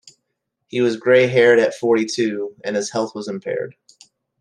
He was grey-haired at forty-two, and his health was impaired.